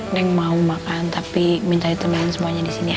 nenek mau makan tapi minta ditemani semuanya disini ya